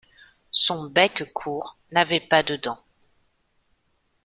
Son bec court n'avait pas de dents.